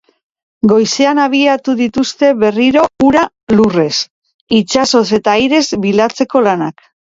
Goizean abiatu dituzte berriro hura lurrez, itsasoz eta airez bilatzeko lanak.